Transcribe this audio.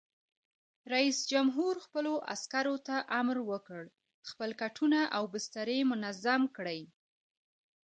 رئیس جمهور خپلو عسکرو ته امر وکړ؛ خپل کټونه او بسترې منظم کړئ!